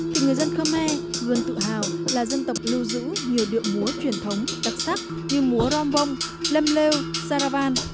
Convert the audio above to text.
thì người dân khmer gần tự hào là dân tộc lưu giữ nhiều điệu múa truyền thống đặc sắc như múa rong vong lâm lêu xà ra van